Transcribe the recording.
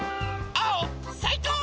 あおさいこう！